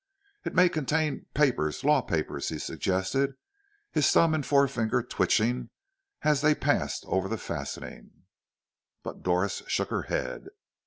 "It may contain papers law papers," he suggested, his thumb and forefinger twitching as they passed over the fastening. But Doris shook her head.